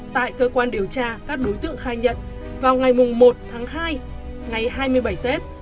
tại cơ quan điều tra các đối tượng khai nhận vào ngày một tháng hai ngày hai mươi bảy tết